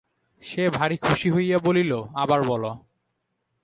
সে ভারী খুশি হইয়া বলিল, আবার বলো।